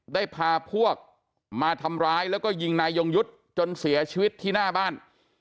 ได้พาพวกมาทำร้ายแล้วก็ยิงนายยงยุทธ์จนเสียชีวิตที่หน้าบ้าน